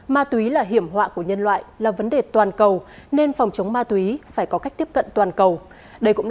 ma túy là hiểm họa của nhân loại là vấn đề toàn cầu nên phòng chống ma túy phải có cách tiếp cận toàn cầu